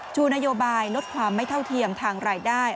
ชูนโยบายลดความไม่เท่าเทียมทางรายได้